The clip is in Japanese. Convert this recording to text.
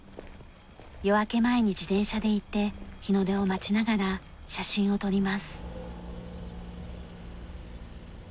夜明け前に自転車で行って日の出を待ちながら写真を撮ります。